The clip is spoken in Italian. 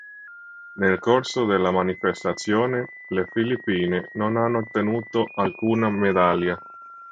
Nel corso della manifestazione le Filippine non hanno ottenuto alcuna medaglia.